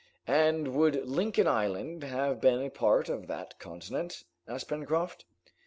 "And would Lincoln Island have been a part of that continent?" asked Pencroft.